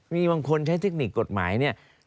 มีบางคนใช้เทคนิคกฎหมายเนี่ย